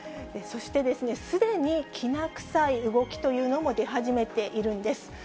そしてですね、すでにきな臭い動きというのも出始めているんです。